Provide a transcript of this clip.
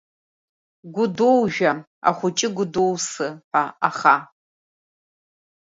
Гәдоужәа, ахәыҷы Гәдоусы, ҳәа аха…